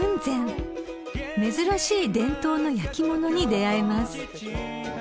［珍しい伝統の焼き物に出合えます］